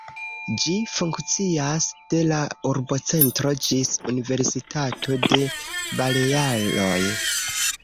Ĝi funkcias de la urbocentro ĝis Universitato de Balearoj.